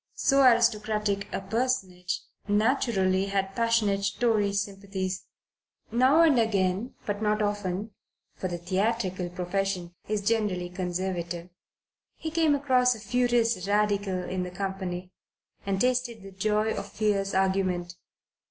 So aristocratic a personage naturally had passionate Tory sympathies. Now and again but not often, for the theatrical profession is generally Conservative he came across a furious Radical in the company and tasted the joy of fierce argument.